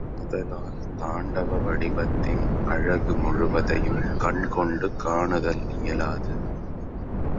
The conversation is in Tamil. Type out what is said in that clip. ஆதலால் தாண்டவ வடிவத்தின் அழகு முழுவதையும் கண்கொண்டு காணுதல் இயலாது.